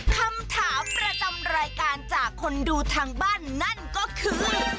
คำถามประจำรายการจากคนดูทางบ้านนั่นก็คือ